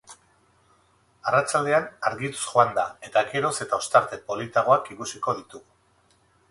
Arratsaldean argituz joango da eta geroz eta ostarte politagoak ikusiko ditugu.